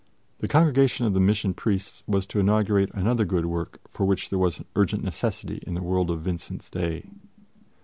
The Congregation of the Mission Priests was to inaugurate another good work for which there was an urgent necessity in the world of Vincent's day.